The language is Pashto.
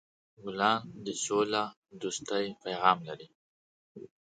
ګلان د سولهدوستۍ پیغام لري.